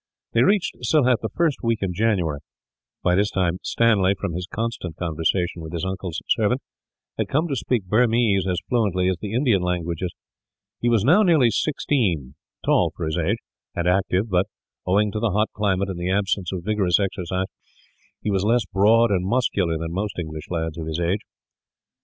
They reached Sylhet the first week in January. By this time Stanley, from his constant conversation with his uncle's servant, had come to speak Burmese as fluently as the Indian languages. He was now nearly sixteen, tall for his age, and active but, owing to the hot climate and the absence of vigorous exercise, he was less broad and muscular than most English lads of his age.